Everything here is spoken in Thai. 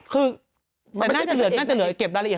คือน่าจะเหลือเก็บรายละเอียด